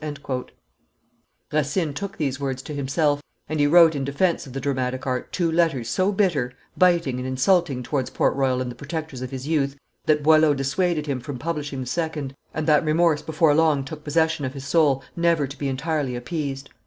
Racine took these words to himself, and he wrote in defence of the dramatic art two letters so bitter, biting, and insulting towards Port Royal and the protectors of his youth, that Boileau dissuaded him from publishing the second, and that remorse before long took possession of his soul, never to be entirely appeased.